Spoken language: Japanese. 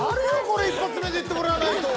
これ一発目で言ってもらわないと。